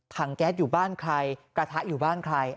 แก๊สอยู่บ้านใครกระทะอยู่บ้านใคร